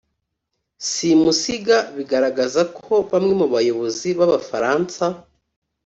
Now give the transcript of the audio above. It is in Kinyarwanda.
simusiga biragaraza ko bamwe mu bayobozi b'abafaransa